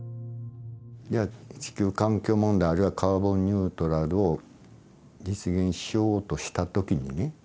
地球環境問題あるいはカーボンニュートラルを実現しようとした時にね